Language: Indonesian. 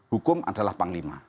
hukum adalah panglima